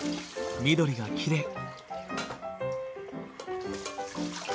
緑がきれい。